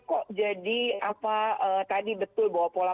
kok jadi apa tadi betul bahwa pola